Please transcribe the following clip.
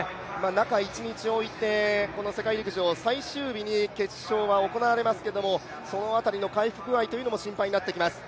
中１日置いて、この世界陸上最終日に決勝は行われますけれどもその辺りの回復具合も気になってきます。